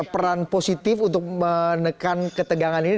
peran positif untuk menekan ketegangan ini